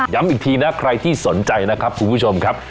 อีกทีนะใครที่สนใจนะครับคุณผู้ชมครับ